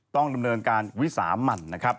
ต้องดำเนินการวิสามันนะครับ